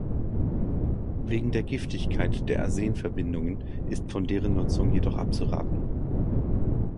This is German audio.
Wegen der Giftigkeit der Arsenverbindungen ist von deren Nutzung jedoch abzuraten.